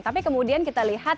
tapi kemudian kita lihat